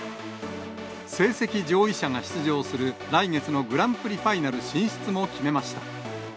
成績上位者が出場する来月のグランプリファイナル進出も決めました。